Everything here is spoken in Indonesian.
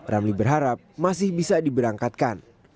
ramli berharap masih bisa diberangkatkan